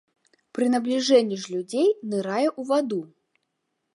Пры набліжэнні ж людзей нырае ў ваду.